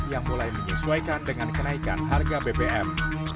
yang mulai menyesuaikan dengan kenaikan harga bbm